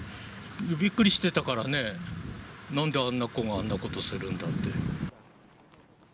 びっくりしてたからね、なんであんな子があんなことするんだって。